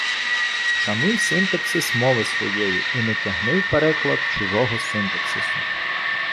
Шануй синтаксис мови своєї і не тягни в переклад чужого синтаксису.